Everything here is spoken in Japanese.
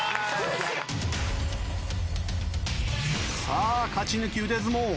さあ勝ち抜き腕相撲。